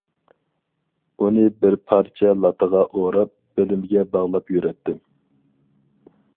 ئۇنى بىر پارچە لاتىغا ئوراپ، بېلىمگە باغلاپ يۈرەتتىم.